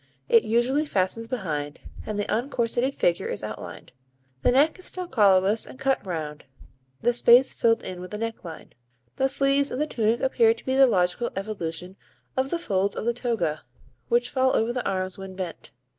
It usually fastens behind, and the uncorseted figure is outlined. The neck is still collarless and cut round, the space filled in with a necklace. The sleeves of the tunic appear to be the logical evolution of the folds of the toga, which fall over the arms when bent.